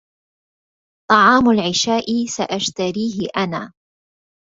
طعام العشاء سأشتريه أنا.